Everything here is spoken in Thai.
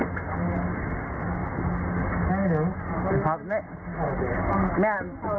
ตัวอดสนุกขอบคุณครับสินะครับ